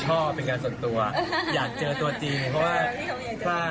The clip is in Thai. เป็นการส่วนตัวอยากเจอตัวจริงเพราะว่าถ้า